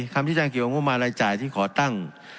๔คำที่แสดงกับงบมันรายจ่ายที่ขอตั้ง